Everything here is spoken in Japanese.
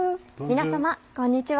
皆様こんにちは。